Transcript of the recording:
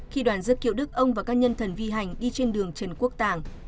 khi đoàn dứt kiệu đức ông và các nhân thần vi hành đi trên đường trần quốc tàng